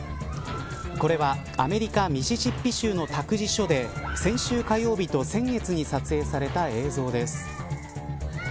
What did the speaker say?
これはアメリカミシシッピ州の託児所で先週火曜日と先月に撮影された映像です。